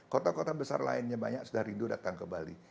kota kota besar lainnya banyak sudah rindu datang ke bali